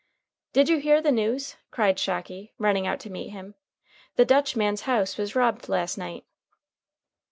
"Did you hear the news?" cried Shocky, running out to meet him. "The Dutchman's house was robbed last night."